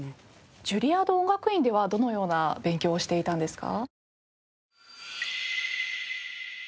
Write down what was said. ジュリアード音楽院ではどのような勉強をしていたんですか？